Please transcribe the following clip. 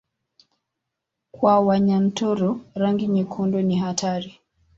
Kwa Wanyaturu rangi nyekundu ni hatari